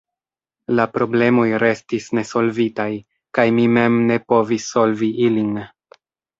La problemoj restis nesolvitaj, kaj mi mem ne povis solvi ilin.